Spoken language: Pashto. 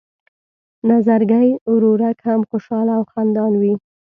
نظرګی ورورک هم خوشحاله او خندان وي.